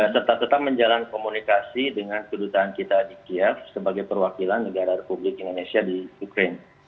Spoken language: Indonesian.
serta tetap menjalin komunikasi dengan kedutaan kita di kiev sebagai perwakilan negara republik indonesia di ukraine